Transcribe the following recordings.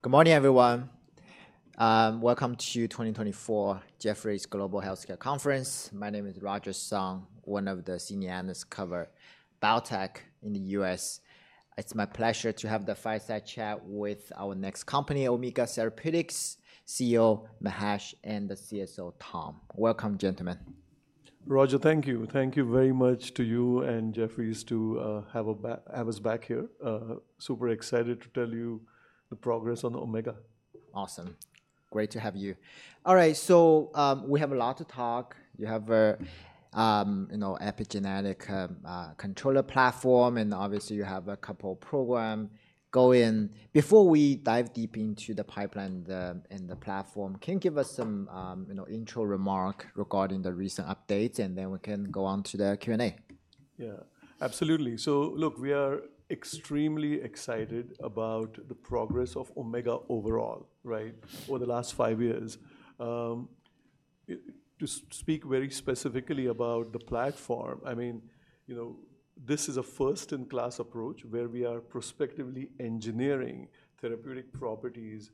Good morning, everyone. Welcome to 2024 Jefferies Global Healthcare Conference. My name is Roger Song, one of the senior analysts cover biotech in the US. It's my pleasure to have the fireside chat with our next company, Omega Therapeutics, CEO Mahesh and the CSO Tom. Welcome, gentlemen. Roger, thank you. Thank you very much to you and Jefferies to have us back here. Super excited to tell you the progress on Omega. Awesome. Great to have you. All right, so, we have a lot to talk. You have a, you know, epigenetic controller platform, and obviously you have a couple program going. Before we dive deep into the pipeline and the, and the platform, can you give us some, you know, intro remark regarding the recent updates, and then we can go on to the Q&A? Yeah, absolutely. So look, we are extremely excited about the progress of Omega overall, right, over the last 5 years. To speak very specifically about the platform, I mean, you know, this is a first-in-class approach where we are prospectively engineering therapeutic properties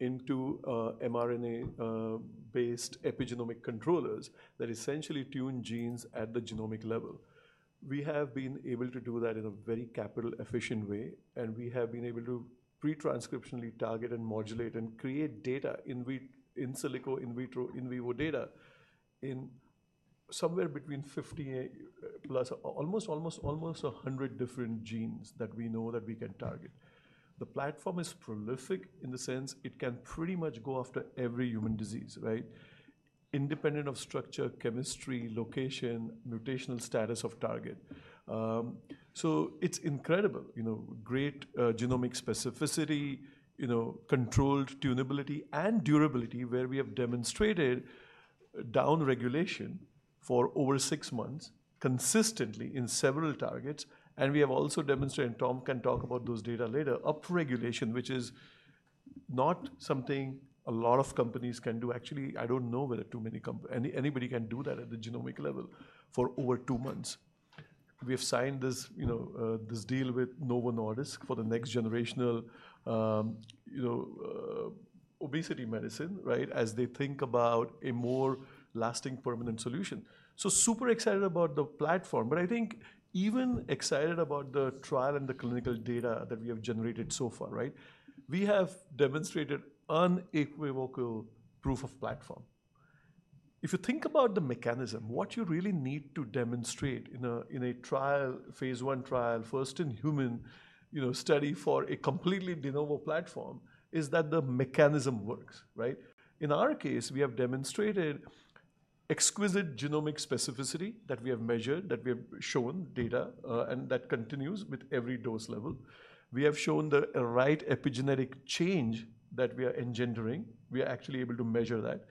into mRNA based epigenomic controllers that essentially tune genes at the genomic level. We have been able to do that in a very capital-efficient way, and we have been able to pre-transcriptionally target and modulate and create in silico, in vitro, in vivo data in somewhere between 50 plus almost 100 different genes that we know that we can target. The platform is prolific in the sense it can pretty much go after every human disease, right? Independent of structure, chemistry, location, mutational status of target. So it's incredible, you know, great genomic specificity, you know, controlled tunability and durability, where we have demonstrated downregulation for over 6 months, consistently in several targets, and we have also demonstrated, Tom can talk about those data later, upregulation, which is not something a lot of companies can do. Actually, I don't know whether too many anybody can do that at the genomic level for over 2 months. We have signed this, you know, this deal with Novo Nordisk for the next generational, you know, obesity medicine, right? As they think about a more lasting, permanent solution. So super excited about the platform, but I think even excited about the trial and the clinical data that we have generated so far, right? We have demonstrated unequivocal proof of platform. If you think about the mechanism, what you really need to demonstrate in a, in a trial, phase I trial, first in human, you know, study for a completely de novo platform, is that the mechanism works, right? In our case, we have demonstrated exquisite genomic specificity that we have measured, that we have shown data, and that continues with every dose level. We have shown the right epigenetic change that we are engendering. We are actually able to measure that.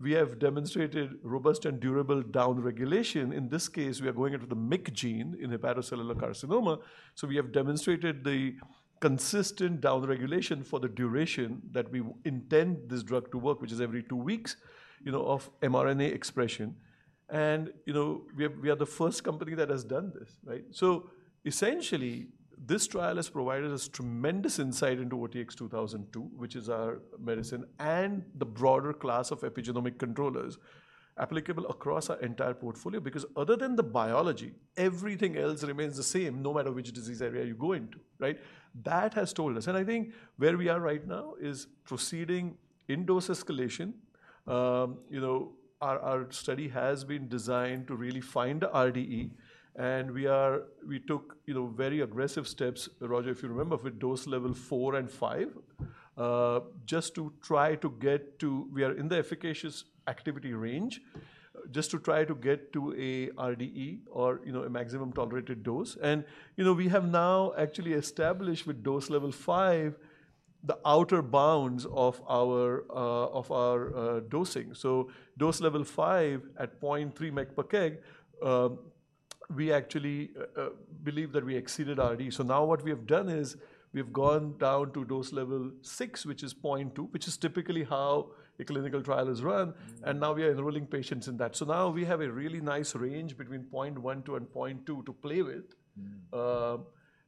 We have demonstrated robust and durable downregulation. In this case, we are going after the MYC gene in hepatocellular carcinoma, so we have demonstrated the consistent downregulation for the duration that we intend this drug to work, which is every 2 weeks, you know, of mRNA expression. And, you know, we have—we are the first company that has done this, right? So essentially, this trial has provided us tremendous insight into OTX-2002, which is our medicine, and the broader class of epigenomic controllers applicable across our entire portfolio, because other than the biology, everything else remains the same, no matter which disease area you go into, right? That has told us, and I think where we are right now is proceeding in dose escalation. You know, our, our study has been designed to really find the RDE, and we are, we took, you know, very aggressive steps, Roger, if you remember, with dose level 4 and 5, just to try to get to, we are in the efficacious activity range, just to try to get to a RDE or, you know, a maximum tolerated dose. You know, we have now actually established with dose level 5, the outer bounds of our, of our, dosing. So dose level 5, at 0.3 mg per kg, we actually believe that we exceeded RDE. So now what we have done is we've gone down to dose level 6, which is 0.2, which is typically how a clinical trial is run, and now we are enrolling patients in that. So now we have a really nice range between 0.12 and 0.2 to play with. Mm-hmm.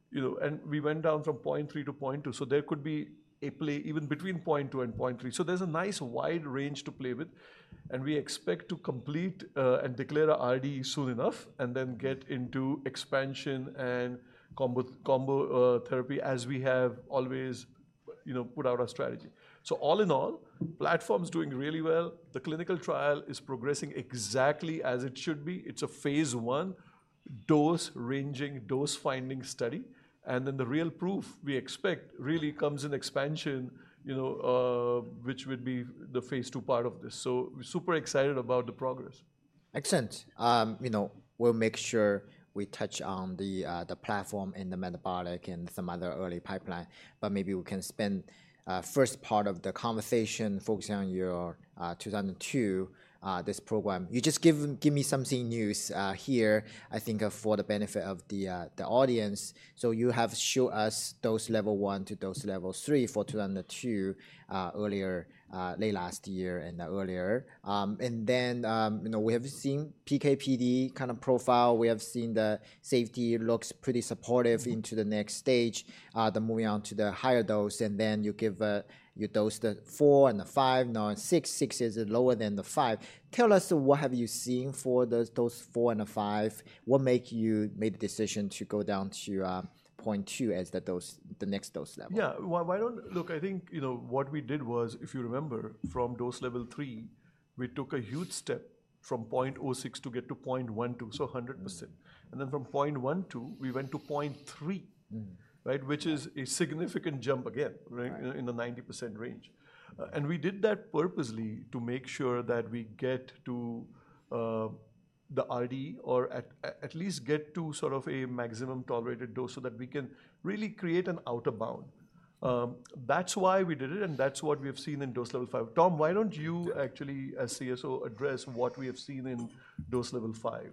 You know, and we went down from 0.3 to 0.2, so there could be a play even between 0.2 and 0.3. So there's a nice wide range to play with, and we expect to complete and declare a RDE soon enough, and then get into expansion and combo therapy, as we have always, you know, put out our strategy. So all in all, platform's doing really well. The clinical trial is progressing exactly as it should be. It's a phase I dose-ranging, dose-finding study, and then the real proof we expect really comes in expansion, you know, which would be the phase 2 part of this. So we're super excited about the progress. Excellent. You know, we'll make sure we touch on the platform and the metabolic and some other early pipeline, but maybe we can spend first part of the conversation focusing on your OTX-2002 this program. You just give me something new here, I think, for the benefit of the audience. So you have shown us dose level 1 to dose level 3 for OTX-2002 earlier, late last year and earlier. And then, you know, we have seen PK/PD kind of profile. We have seen the safety looks pretty supportive into the next stage, then moving on to the higher dose, and then you give you dose the 4 and the 5, now 6. 6 is lower than the 5. Tell us, what have you seen for the dose 4 and 5? What make you make the decision to go down to, point 0.2 as the dose—the next dose level? Yeah. Why don't... Look, I think, you know, what we did was, if you remember from dose level 3, we took a huge step from 0.06 to get to 0.12, so 100%. Mm-hmm. And then from 0.12, we went to 0.3. Mm. Right? Which is a significant jump again- Right... in the 90% range. And we did that purposely to make sure that we get to the RDE or at least get to sort of a maximum tolerated dose so that we can really create an outer bound. That's why we did it, and that's what we have seen in dose level five. Tom, why don't you actually, as CSO, address what we have seen in dose level five?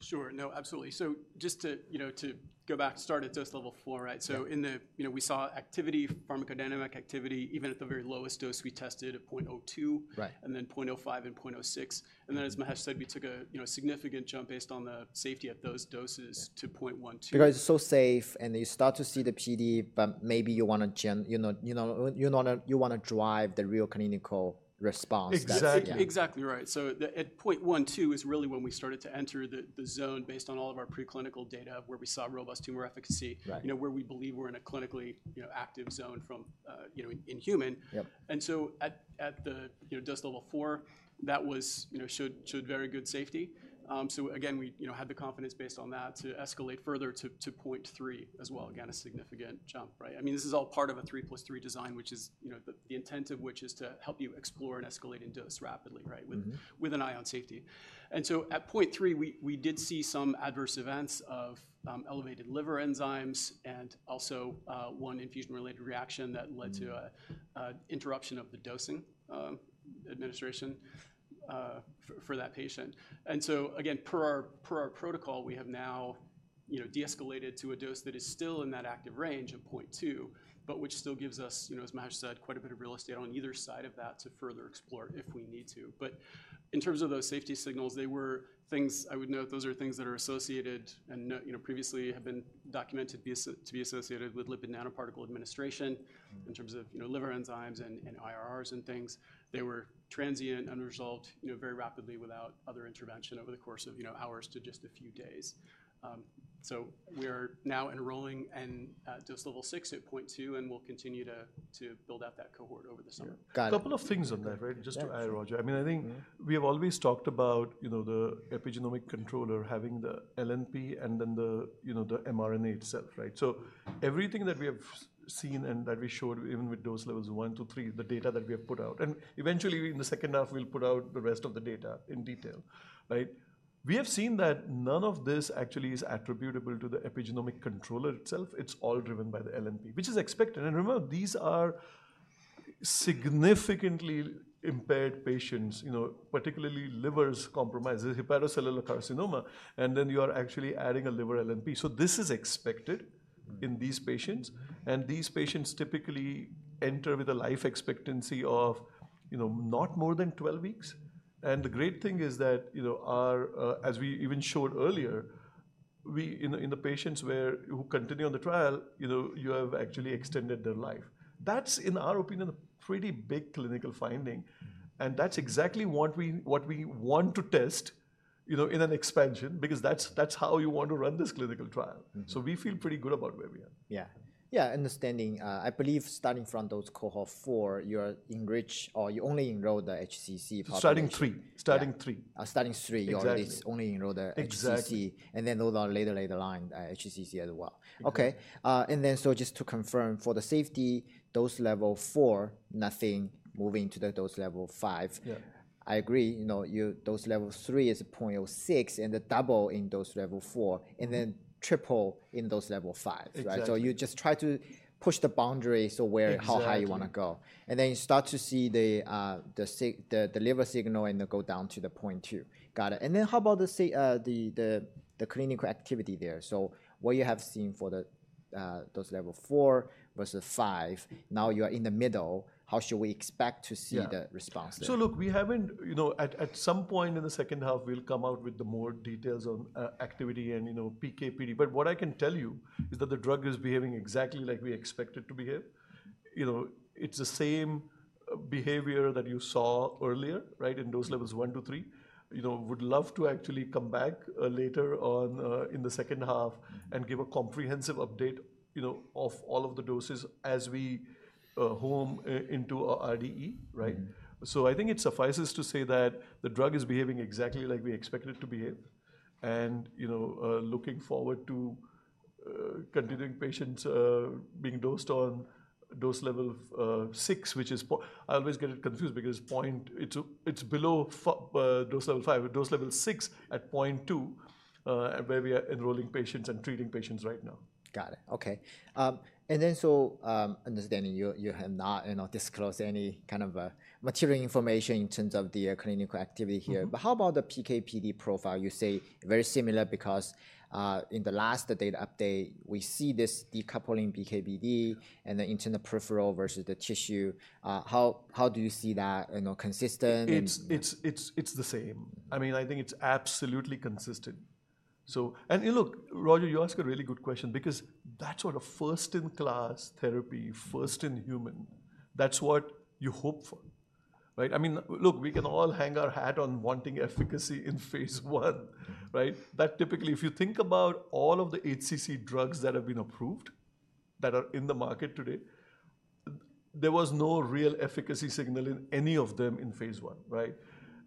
Sure. No, absolutely. So just to, you know, to go back, start at dose level 4, right? Yeah. So in the, you know, we saw activity, pharmacodynamic activity, even at the very lowest dose we tested at 0.02- Right... and then 0.05 and 0.06. And then, as Mahesh said, we took a, you know, significant jump based on the safety at those doses to 0.12. Because it's so safe, and you start to see the PD, but maybe you wanna—you know, you wanna drive the real clinical response. Exactly. Exactly right. So at 0.12 is really when we started to enter the zone based on all of our preclinical data, where we saw robust tumor efficacy- Right... you know, where we believe we're in a clinically, you know, active zone from, you know, in human. Yep. And so at the, you know, dose level 4, that was, you know, showed very good safety. So again, we, you know, had the confidence based on that to escalate further to 0.3 as well. Again, a significant jump, right? I mean, this is all part of a 3 + 3 design, which is, you know, the intent of which is to help you explore and escalate in dose rapidly, right? Mm-hmm... with an eye on safety. And so at point three, we did see some adverse events of, elevated liver enzymes and also, one infusion-related reaction that led to a- Mm... an interruption of the dosing, administration for that patient. And so again, per our protocol, we have now, you know, de-escalated to a dose that is still in that active range of 0.2, but which still gives us, you know, as Mahesh said, quite a bit of real estate on either side of that to further explore if we need to. But in terms of those safety signals, they were things. I would note, those are things that are associated, and note, you know, previously have been documented to be associated with lipid nanoparticle administration. Mm-hmm... in terms of, you know, liver enzymes and IRRs and things. They were transient and resolved, you know, very rapidly without other intervention over the course of, you know, hours to just a few days. So we are now enrolling in dose level 6 at 0.2, and we'll continue to build out that cohort over the summer. Got it. Couple of things on that, right? Yeah. Just to add, Roger. I mean, I think- Mm... we have always talked about, you know, the epigenomic controller having the LNP and then the, you know, the mRNA itself, right? So everything that we have seen and that we showed, even with dose levels 1-3, the data that we have put out, and eventually in the second half, we'll put out the rest of the data in detail, right? We have seen that none of this actually is attributable to the epigenomic controller itself. It's all driven by the LNP, which is expected. And remember, these are significantly impaired patients, you know, particularly liver's compromised, the hepatocellular carcinoma, and then you are actually adding a liver LNP. So this is expected- Mm... in these patients, and these patients typically enter with a life expectancy of, you know, not more than 12 weeks. And the great thing is that, you know, our... As we even showed earlier, we, in the, in the patients where, who continue on the trial, you know, you have actually extended their life. That's, in our opinion, a pretty big clinical finding, and that's exactly what we, what we want to test, you know, in an expansion, because that's, that's how you want to run this clinical trial. Mm. We feel pretty good about where we are. Yeah. Yeah, understanding, I believe starting from those cohort 4, you are enriching or you only enroll the HCC population. Starting 3. Starting 3. Yeah, starting three- Exactly... you only enroll the HCC- Exactly... and then those are later line HCC as well. Mm-hmm. Okay, and then so just to confirm, for the safety, dose level 4, nothing. Moving to the dose level 5. Yeah. I agree. You know, dose level 3 is 0.06, and the double in dose level 4, and then triple in dose level 5, right? Exactly. So you just try to push the boundary, so where- Exactly... how high you wanna go. And then you start to see the liver signal, and then go down to the 0.2. Got it. And then how about the clinical activity there? So what you have seen for the dose level 4 versus 5, now you are in the middle. How should we expect to see- Yeah... the response there? So look, we haven't, you know, at some point in the second half, we'll come out with the more details on activity and, you know, PK, PD. But what I can tell you is that the drug is behaving exactly like we expect it to behave. You know, it's the same behavior that you saw earlier, right? In dose levels 1-3. You know, would love to actually come back later on in the second half and give a comprehensive update, you know, of all of the doses as we home in into our RDE, right? Mm-hmm. So I think it suffices to say that the drug is behaving exactly like we expect it to behave, and, you know, looking forward to continuing patients being dosed on dose level 6, which is 0.2. I always get it confused because it's below dose level 5, dose level 6 at 0.2, where we are enrolling patients and treating patients right now. Got it. Okay. And then so, understanding you, you have not, you know, disclosed any kind of material information in terms of the clinical activity here. Mm-hmm. But how about the PK/PD profile? You say very similar because, in the last data update, we see this decoupling PK/PD and the internal peripheral versus the tissue. How do you see that, you know, consistent and- It's the same. I mean, I think it's absolutely consistent. So, and look, Roger, you ask a really good question because that sort of first-in-class therapy, first in human, that's what you hope for, right? I mean, look, we can all hang our hat on wanting efficacy in phase I, right? That typically. If you think about all of the HCC drugs that have been approved, that are in the market today, there was no real efficacy signal in any of them in phase I, right?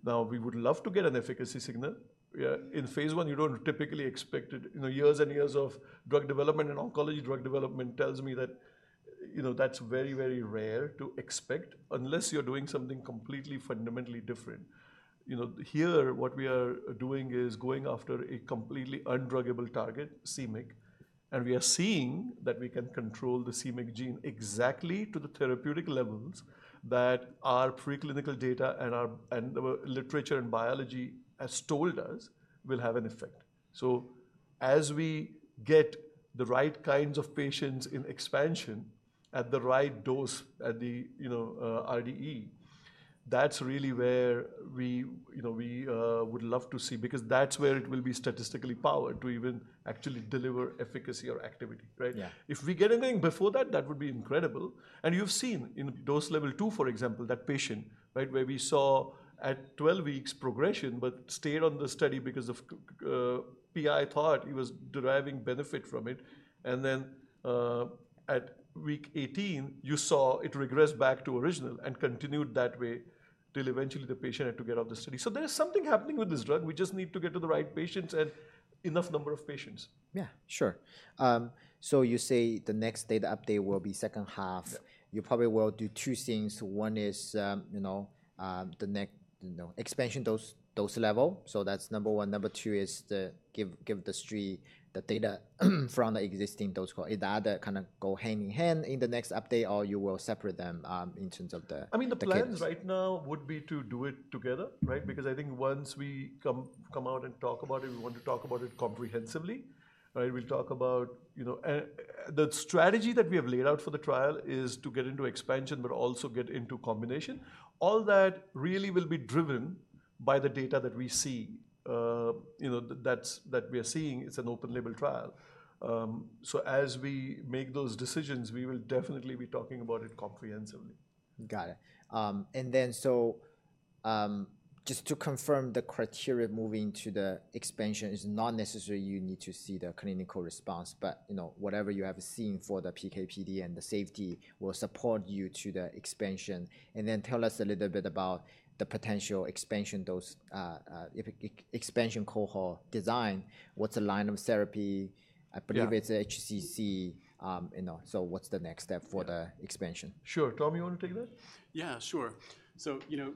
Now, we would love to get an efficacy signal. Yeah, in phase I, you don't typically expect it. You know, years and years of drug development and oncology drug development tells me that, you know, that's very, very rare to expect unless you're doing something completely fundamentally different. You know, here, what we are doing is going after a completely undruggable target, c-Myc, and we are seeing that we can control the c-Myc gene exactly to the therapeutic levels that our preclinical data and the literature and biology has told us will have an effect. So as we get the right kinds of patients in expansion at the right dose, at the, you know, RDE, that's really where we, you know, we, would love to see, because that's where it will be statistically powered to even actually deliver efficacy or activity, right? Yeah. If we get anything before that, that would be incredible, and you've seen in dose level 2, for example, that patient, right, where we saw at 12 weeks progression but stayed on the study because the PI thought he was deriving benefit from it, and then, at week 18, you saw it regress back to original and continued that way till eventually the patient had to get off the study. So there is something happening with this drug. We just need to get to the right patients and enough number of patients. Yeah, sure. So you say the next data update will be second half. Yeah. You probably will do two things. One is, you know, the next expansion dose, dose level, so that's number one. Number two is to give the street the data from the existing dose cohort. Either kind of go hand in hand in the next update, or you will separate them, in terms of the, the- I mean, the plans right now would be to do it together, right? Because I think once we come out and talk about it, we want to talk about it comprehensively, right? We'll talk about... You know, and the strategy that we have laid out for the trial is to get into expansion but also get into combination. All that really will be driven by the data that we see. You know, that we are seeing, it's an open label trial. So as we make those decisions, we will definitely be talking about it comprehensively. Got it. And then so, just to confirm, the criteria moving to the expansion is not necessary you need to see the clinical response, but, you know, whatever you have seen for the PK/PD and the safety will support you to the expansion. And then tell us a little bit about the potential expansion dose, if expansion cohort design, what's the line of therapy? Yeah. I believe it's HCC. You know, so what's the next step for the expansion? Sure. Tom, you want to take that? Yeah, sure. So, you know,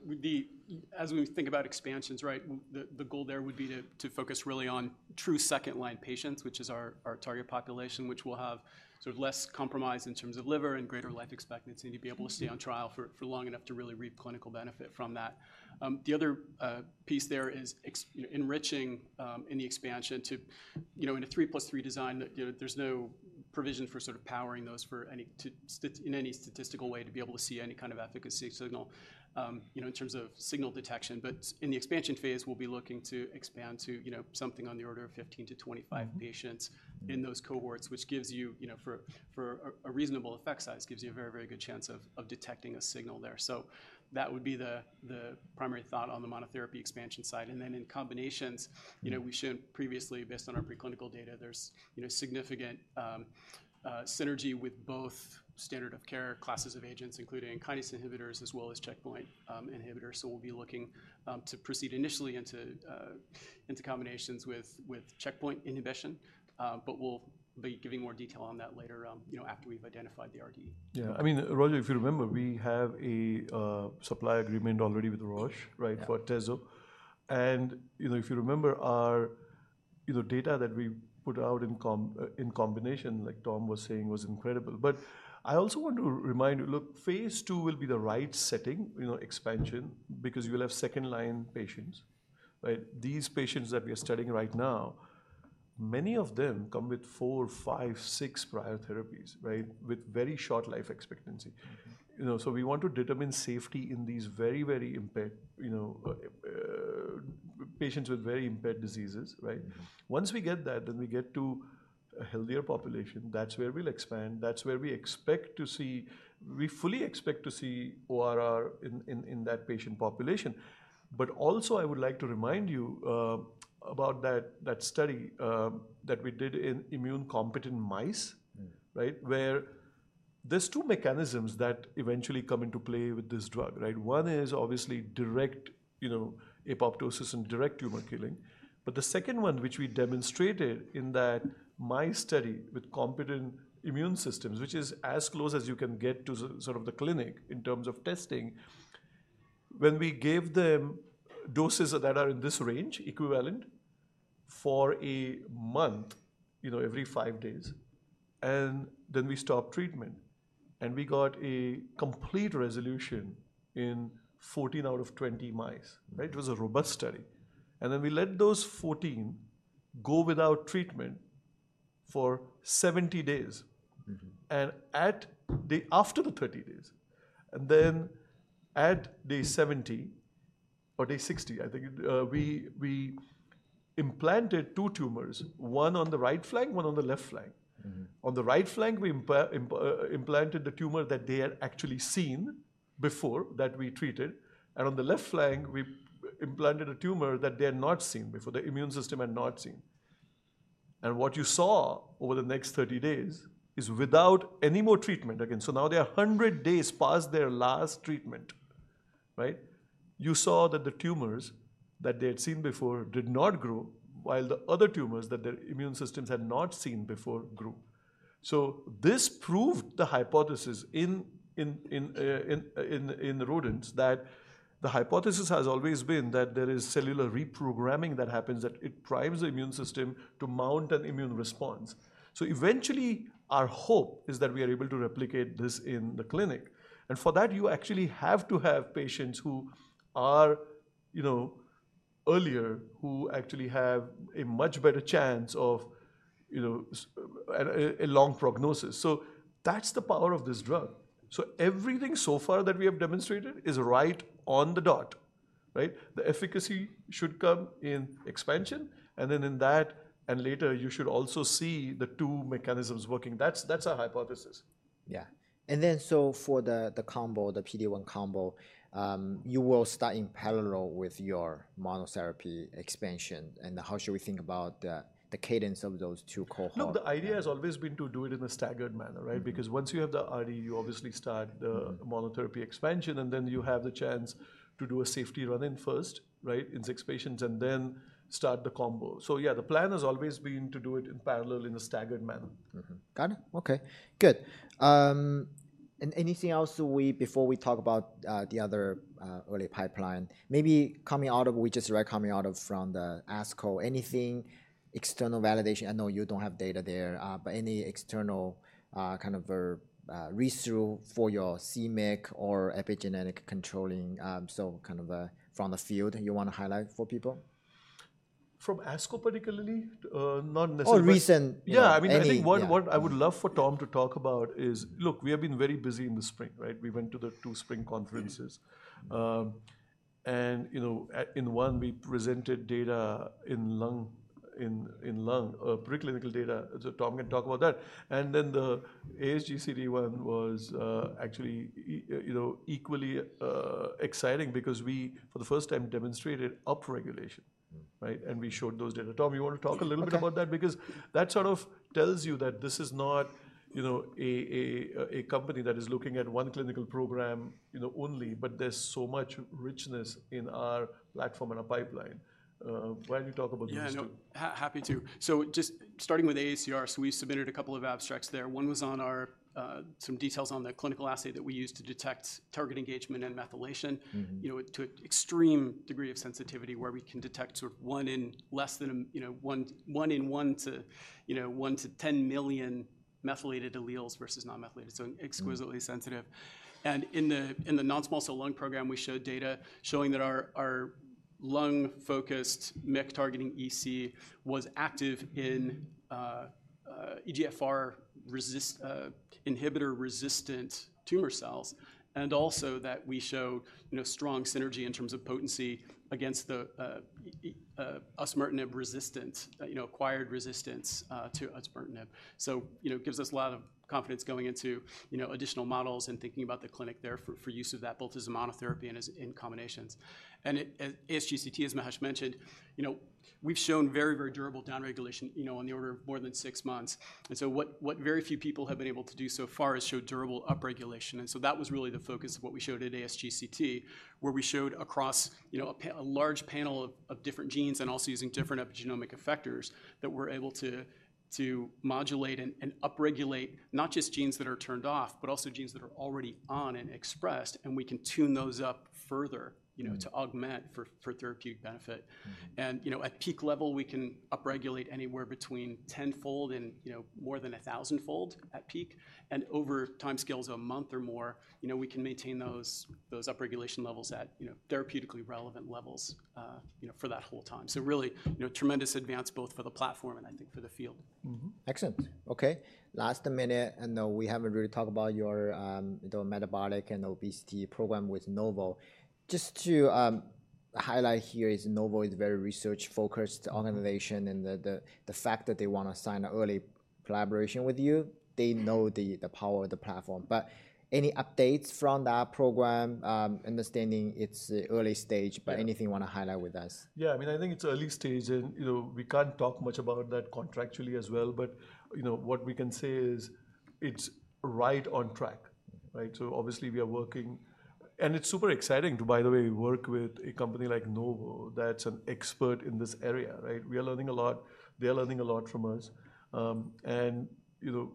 as we think about expansions, right? The, the goal there would be to, to focus really on true second-line patients, which is our, our target population, which will have sort of less compromise in terms of liver and greater life expectancy- Mm-hmm... to be able to stay on trial for long enough to really reap clinical benefit from that. The other piece there is enriching in the expansion to, you know, in a 3+3 design, that, you know, there's no provision for sort of powering those for any statistical way to be able to see any kind of efficacy signal, you know, in terms of signal detection. But in the expansion phase, we'll be looking to expand to, you know, something on the order of 15-25 patients- Mm-hmm... in those cohorts, which gives you, you know, for a reasonable effect size, gives you a very, very good chance of detecting a signal there. So that would be the primary thought on the monotherapy expansion side. And then in combinations- Mm-hmm... you know, we showed previously, based on our preclinical data, there's, you know, significant synergy with both standard of care classes of agents, including kinase inhibitors as well as checkpoint inhibitors. So we'll be looking to proceed initially into combinations with checkpoint inhibition, but we'll be giving more detail on that later, you know, after we've identified the RDE. Yeah. I mean, Roger, if you remember, we have a supply agreement already with Roche, right? Yeah. For atezolizumab. And, you know, if you remember our, you know, data that we put out in combination, like Tom was saying, was incredible. But I also want to remind you, look, phase two will be the right setting, you know, expansion, because you will have second-line patients, right? These patients that we are studying right now, many of them come with four, five, six prior therapies, right? With very short life expectancy. You know, so we want to determine safety in these very, very impaired, you know, patients with very impaired diseases, right? Mm-hmm. Once we get that, then we get to a healthier population. That's where we'll expand. That's where we expect to see. We fully expect to see ORR in that patient population. But also, I would like to remind you about that study that we did in immunocompetent mice. Mm-hmm... right,... There's 2 mechanisms that eventually come into play with this drug, right? One is obviously direct, you know, apoptosis and direct tumor killing. But the second one, which we demonstrated in that mice study with competent immune systems, which is as close as you can get to sort of the clinic in terms of testing. When we gave them doses that are in this range, equivalent, for a month, you know, every 5 days, and then we stopped treatment, and we got a complete resolution in 14 out of 20 mice, right? It was a robust study. And then we let those 14 go without treatment for 70 days. Mm-hmm. After the 30 days, and then at day 70 or day 60, I think, we implanted two tumors, one on the right flank, one on the left flank. Mm-hmm. On the right flank, we implanted the tumor that they had actually seen before, that we treated, and on the left flank, we implanted a tumor that they had not seen before, the immune system had not seen. What you saw over the next 30 days is without any more treatment, again, so now they are 100 days past their last treatment, right? You saw that the tumors that they had seen before did not grow, while the other tumors that their immune systems had not seen before grew. This proved the hypothesis in rodents, that the hypothesis has always been that there is cellular reprogramming that happens, that it drives the immune system to mount an immune response. So eventually, our hope is that we are able to replicate this in the clinic, and for that, you actually have to have patients who are, you know, earlier, who actually have a much better chance of, you know, a long prognosis. So that's the power of this drug. So everything so far that we have demonstrated is right on the dot, right? The efficacy should come in expansion, and then in that, and later, you should also see the two mechanisms working. That's, that's our hypothesis. Yeah. And then, so for the combo, the PD-1 combo, you will start in parallel with your monotherapy expansion, and how should we think about the cadence of those two cohort? Look, the idea has always been to do it in a staggered manner, right? Mm-hmm. Because once you have the RDE, you obviously start the- Mm-hmm... monotherapy expansion, and then you have the chance to do a safety run-in first, right, in six patients, and then start the combo. So yeah, the plan has always been to do it in parallel, in a staggered manner. Mm-hmm. Got it. Okay, good. And anything else before we talk about the other early pipeline, maybe coming out of—we just read coming out from the ASCO, anything external validation? I know you don't have data there, but any external kind of read-through for your c-Myc or epigenetic controlling, so kind of from the field you want to highlight for people? From ASCO particularly? Not necessarily. Or recent. Yeah, I mean- Any, yeah... I think what I would love for Tom to talk about is, look, we have been very busy in the spring, right? We went to the two spring conferences. And, you know, in one, we presented data in lung preclinical data, so Tom can talk about that. And then the ASGCT one was, actually, you know, equally exciting because we, for the first time, demonstrated upregulation, right? And we showed those data. Tom, you want to talk a little bit about that? Okay. Because that sort of tells you that this is not, you know, a company that is looking at one clinical program, you know, only, but there's so much richness in our platform and our pipeline. Why don't you talk about those two? Yeah, no, happy to. So just starting with AACR, so we submitted a couple of abstracts there. One was on our, some details on the clinical assay that we use to detect target engagement and methylation- Mm-hmm... you know, to extreme degree of sensitivity, where we can detect sort of one in less than 1 to 10 million methylated alleles versus non-methylated. Mm-hmm. So exquisitely sensitive. And in the non-small cell lung program, we showed data showing that our lung-focused MYC targeting EC was active in EGFR inhibitor-resistant tumor cells, and also that we show, you know, strong synergy in terms of potency against the osimertinib resistance, you know, acquired resistance to osimertinib. So, you know, it gives us a lot of confidence going into, you know, additional models and thinking about the clinic there for use of that, both as a monotherapy and as in combinations. And it, ASGCT, as Mahesh mentioned, you know, we've shown very, very durable downregulation, you know, on the order of more than six months. And so what very few people have been able to do so far is show durable upregulation. And so that was really the focus of what we showed at ASGCT, where we showed across, you know, a large panel of different genes and also using different epigenomic effectors, that we're able to modulate and upregulate not just genes that are turned off, but also genes that are already on and expressed, and we can tune those up further- Mm-hmm ... you know, to augment for therapeutic benefit. Mm-hmm. You know, at peak level, we can upregulate anywhere between 10-fold and, you know, more than 1,000-fold at peak. And over timescales of a month or more, you know, we can maintain those upregulation levels at, you know, therapeutically relevant levels, you know, for that whole time. So really, you know, tremendous advance both for the platform and I think for the field. Mm-hmm. Excellent. Okay, last minute, I know we haven't really talked about your, the metabolic and obesity program with Novo. Just to, highlight here is Novo is very research-focused organization, and the fact that they want to sign an early collaboration with you, they know the power of the platform. But any updates from that program? Understanding it's early stage. Yeah... but anything you want to highlight with us? Yeah, I mean, I think it's early stage, and, you know, we can't talk much about that contractually as well. But, you know, what we can say is it's right on track.... Right, so obviously we are working, and it's super exciting to, by the way, work with a company like Novo that's an expert in this area, right? We are learning a lot. They are learning a lot from us. And, you know,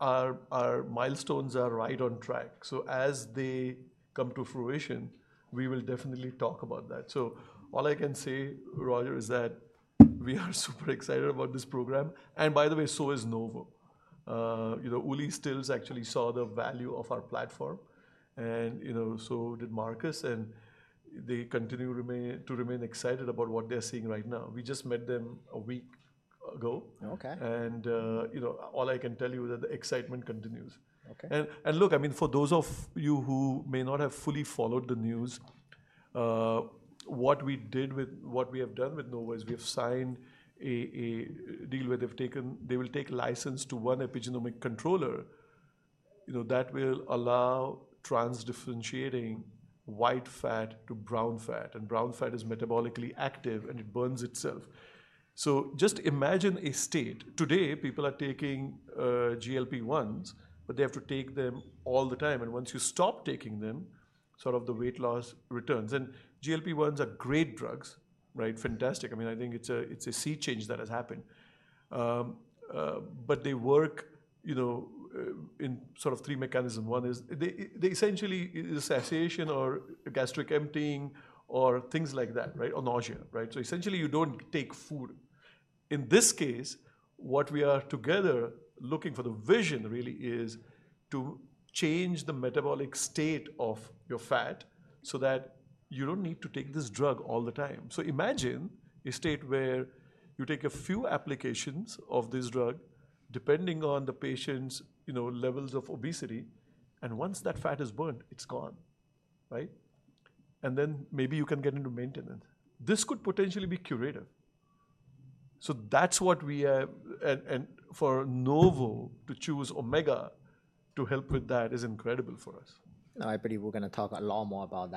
our milestones are right on track. So as they come to fruition, we will definitely talk about that. So all I can say, Roger, is that we are super exciting about this program, and by the way, so is Novo. You know, Ulrich Stilz actually saw the value of our platform and, you know, so did Marcus, and they continue to remain excited about what they're seeing right now. We just met them a week ago. Okay. You know, all I can tell you that the excitement continues. Okay. Look, I mean, for those of you who may not have fully followed the news, what we have done with Novo is we have signed a deal where they will take license to one epigenomic controller. You know, that will allow trans-differentiating white fat to brown fat, and brown fat is metabolically active, and it burns itself. So just imagine a state. Today, people are taking GLP-1s, but they have to take them all the time, and once you stop taking them, sort of the weight loss returns. And GLP-1s are great drugs, right? Fantastic. I mean, I think it's a sea change that has happened. But they work, you know, in sort of three mechanism. One is, they essentially, it is satiation or gastric emptying or things like that, right? Or nausea, right? So essentially, you don't take food. In this case, what we are together looking for the vision really is to change the metabolic state of your fat so that you don't need to take this drug all the time. So imagine a state where you take a few applications of this drug, depending on the patient's, you know, levels of obesity, and once that fat is burned, it's gone, right? And then maybe you can get into maintenance. This could potentially be curative. So that's what we are, and for Novo to choose Omega to help with that is incredible for us. I believe we're gonna talk a lot more about that.